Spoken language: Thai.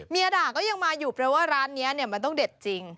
ด่าก็ยังมาอยู่แปลว่าร้านนี้มันต้องเด็ดจริง